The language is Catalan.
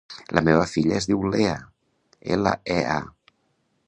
La meva filla es diu Lea: ela, e, a.